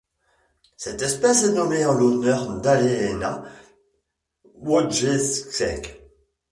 Cette espèce est nommée en l'honneur d'Aleena Wojcieszek.